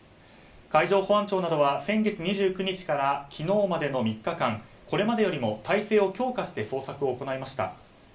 海上保安庁などは先月２９日から昨日までの３日間これまでよりも態勢を強化して捜索を行いました。